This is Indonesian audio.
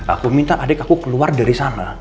aku minta adik aku keluar dari sana